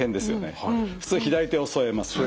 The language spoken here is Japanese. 普通左手を添えます。